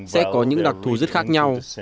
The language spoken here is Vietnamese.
sẽ có những đặc thù rất khác nhau